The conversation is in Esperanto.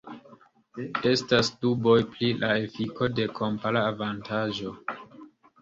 Estas duboj pri la efiko de kompara avantaĝo.